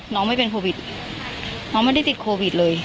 น้องไม่เป็นโควิดน้องไม่ได้ติดโควิดเลย